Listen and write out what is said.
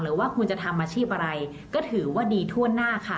ว่าคุณจะทำอาชีพอะไรก็ถือว่าดีทั่วหน้าค่ะ